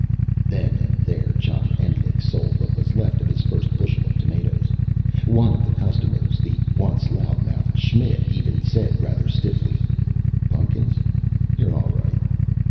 Then and there, John Endlich sold what was left of his first bushel of tomatoes. One of his customers the once loud mouthed Schmidt even said, rather stiffly, "Pun'kins you're all right."